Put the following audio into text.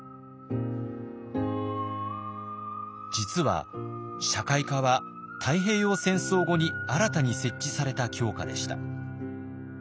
実は社会科は太平洋戦争後に新たに設置された教科でした。